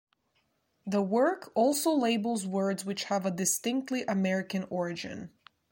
The work also labels words which have a distinctly American origin.